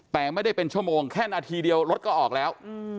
แต่ไม่ได้เป็นชั่วโมงแค่นาทีเดียวรถก็ออกแล้ว